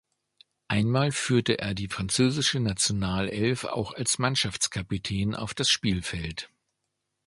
Einmal führte er die französische Nationalelf auch als Mannschaftskapitän auf das Spielfeld.